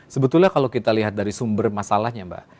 sebetulnya kalau kita lihat dari sumber masalahnya mbak